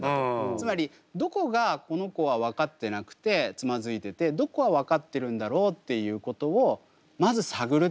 つまりどこがこの子は分かってなくてつまずいててどこは分かってるんだろうっていうことをまず探るっていうこと。